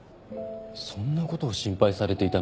そんなことを心配されていたのですか？